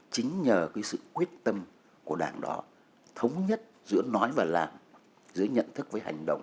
chính nhờ cái sự quyết tâm của đảng đó thống nhất giữa nói và làm giữa nhận thức với hành động